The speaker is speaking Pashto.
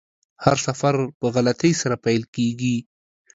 هر سفر په غلطۍ سره پیل کیږي.